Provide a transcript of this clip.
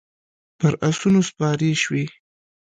پر اسونو سپارې شوې.